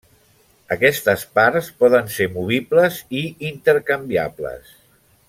Aquestes parts poden ser movibles i intercanviables.